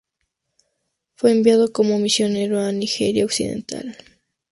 Fue enviado como misionero a Nigeria Occidental.